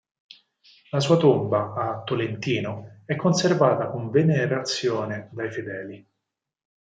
La sua tomba, a Tolentino, è conservata con venerazione dai fedeli.